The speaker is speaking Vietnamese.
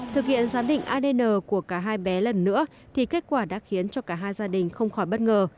thực hiện giám định adn của cả hai bé lần nữa thì kết quả đã khiến cho cả hai gia đình không khỏi bất ngờ